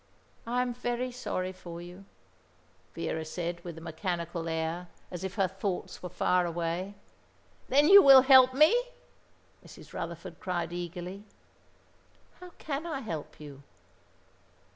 "I am very sorry for you," Vera said, with a mechanical air, as if her thoughts were far away. "Then you will help me?" Mrs. Rutherford cried eagerly. "How can I help you?"